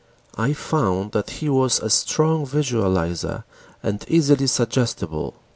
I found that he was a strong visualizer and easily suggestible.